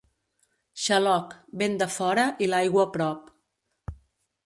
Xaloc, vent de fora i l'aigua prop.